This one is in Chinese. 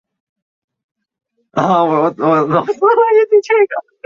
疙瘩银杏蟹为扇蟹科银杏蟹属的动物。